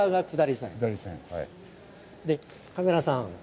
カメラさん